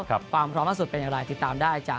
ความพร้อมล่าสุดเป็นอย่างไรติดตามได้จาก